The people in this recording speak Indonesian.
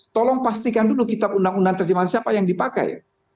tolong pastikan dulu kitab undang undang terjemahan siapa yang dipakai